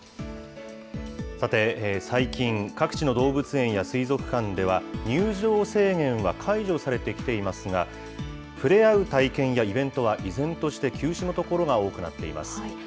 さて、最近、各地の動物園や水族館では、入場制限は解除されてきていますが、触れ合う体験やイベントは、依然として休止の所が多くなっています。